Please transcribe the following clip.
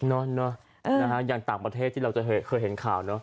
เนอะอย่างต่างประเทศที่เราจะเคยเห็นข่าวเนอะ